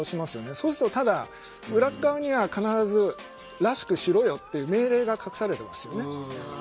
そうするとただ裏っかわには必ず「らしくしろよ」っていう命令が隠されてますよね。